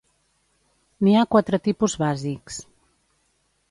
N’hi ha quatre tipus bàsics.